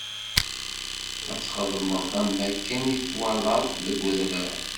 Ad txedmeḍ am akken i t-twalaḍ-t deg udrar.